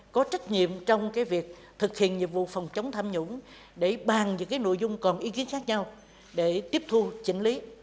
có trách nhiệm trong việc thực hiện nhiệm vụ phòng chống tham nhũng để bàn những nội dung còn ý kiến khác nhau để tiếp thu chỉnh lý